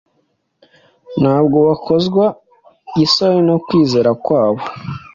Ntabwo bakozwaga isoni no kwizera kwabo.